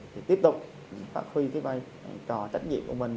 thì tiếp tục phát huy cái vai trò trách nhiệm của mình